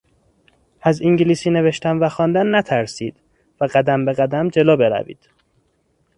از انگلیسی نوشتن و خواندن نترسید و قدم به قدم جلو بروید.